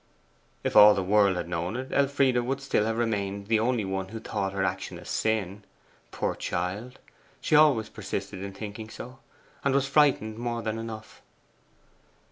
If all the world had known it, Elfride would still have remained the only one who thought her action a sin. Poor child, she always persisted in thinking so, and was frightened more than enough.